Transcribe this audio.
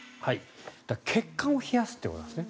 血管を冷やすということなんですね。